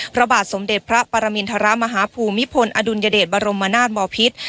พระบาทสมเด็จพระปรมินทรมาฮภูมิพลอดุลยเดชบรมนาศมพิษ